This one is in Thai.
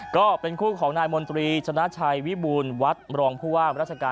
ก็เป็นคู่ของนายมนตรีชนะชัยวิบูลวัดรองภูวา